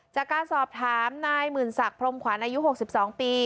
จากการสอบถามนายหมื่นศักดิ์พรมขวัญอายุ๖๒ปี